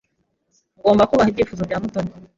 Ngomba kubaha ibyifuzo bya Mutoni.